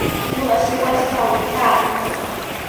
Ñuqa Sihuastrawmi taakuu.